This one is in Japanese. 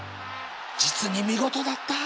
実に見事だった！